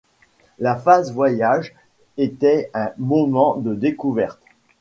La phase voyage était un moment de découverte.